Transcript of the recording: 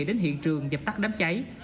đến hiện trường dập tắt đám cháy